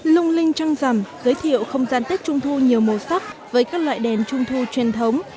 lung linh trăng rằm giới thiệu không gian tết trung thu nhiều màu sắc với các loại đèn trung thu truyền thống